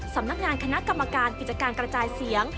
สำนักงานคณะกรรมการกิจการกระจายเสียง